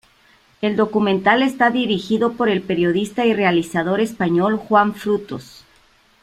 El documental está dirigido por el periodista y realizador español Juan Frutos.